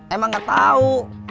emang gak tau